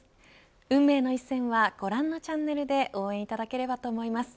運命の一戦はご覧のチャンネルで応援いただければと思います。